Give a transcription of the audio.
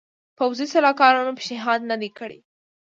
پوځي سلاکارانو پېشنهاد نه دی کړی.